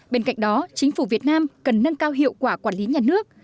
bên cạnh đó chính phủ việt nam cần nâng cao hiệu quả quản lý nhà nước